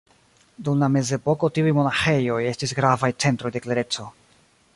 Dum la mezepoko tiuj monaĥejoj estis gravaj centroj de klereco.